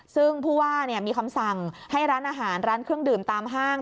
ซึ่งผู้ว่ามีคำสั่งให้ร้านอาหารร้านเครื่องดื่มตามห้าง